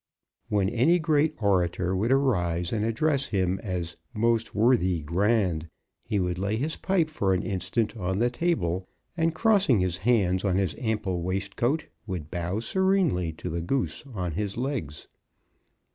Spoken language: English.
When any great orator would arise and address him as Most Worthy Grand, he would lay his pipe for an instant on the table, and, crossing his hands on his ample waistcoat, would bow serenely to the Goose on his legs.